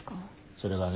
それがね